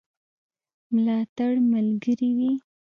ملاتړ ملګری وي.